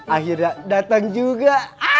akhirnya datang juga